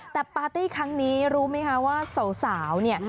แต่ปาร์ตี้ครั้งนี้รู้ไหมคะว่าสาวเนี่ย